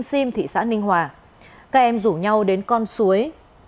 các em rủ nhau đến con suối